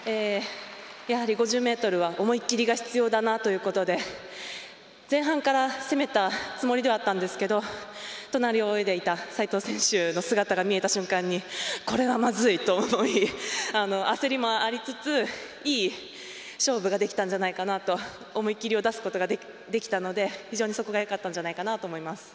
やはり５０ｍは思い切りが必要だなということで前半から攻めたつもりではあったんですけど隣を泳いでいた斎藤選手の姿が見えた瞬間にこれはまずいと思い焦りもありつついい勝負ができたんじゃないかなと思い切りを出すことができたので非常にそこがよかったんじゃないかと思います。